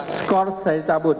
skor saya cabut